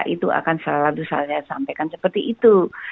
itu akan selalu saya sampaikan seperti itu